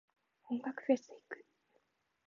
音楽フェス行く。